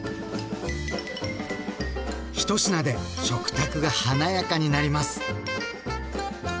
１品で食卓が華やかになります。